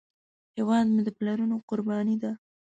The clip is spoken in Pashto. هیواد مې د پلرونو قرباني ده